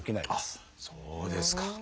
あっそうですか。